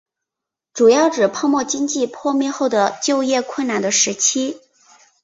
主要指泡沫经济破灭后的就业困难的时期。